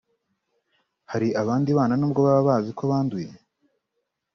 Hari abandi bana n’ubwo baba bazi ko banduye